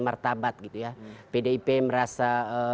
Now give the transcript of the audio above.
martabat gitu ya pdip merasa